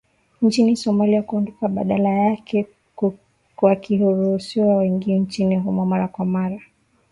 nchini Somalia kuondoka badala yake wakiruhusiwa waingie nchini humo mara kwa mara